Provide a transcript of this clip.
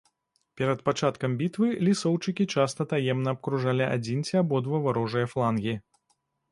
Перад пачаткам бітвы лісоўчыкі часта таемна абкружалі адзін ці абодва варожыя флангі.